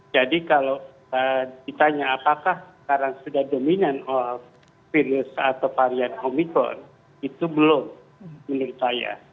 jadi kalau ditanya apakah sekarang sudah dominan virus atau varian omikron itu belum menurut saya